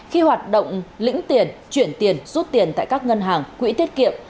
khi hoạt động lĩnh tiền chuyển tiền rút tiền tại các ngân hàng quỹ tiết kiệm